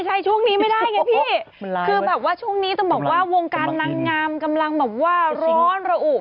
ใช่ช่วงนี้ไม่ได้ไงพี่ช่วงนี้ต้องบอกว่าวงการนางงามกำลังร้อนหรอก